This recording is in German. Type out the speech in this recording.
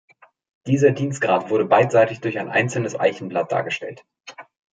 Dieser Dienstgrad wurde beidseitig durch ein einzelnes Eichenblatt dargestellt.